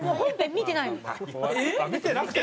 見てないの。